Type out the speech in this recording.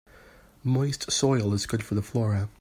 Moist soil is good for the flora.